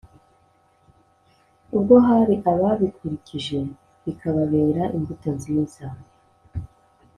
ubwo hari ababikurikije bikababera imbuto nziza,